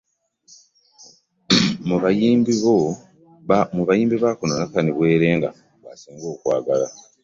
Mu bayimbi ba kuno Nathan Bwerenga gw’asinga okwagala.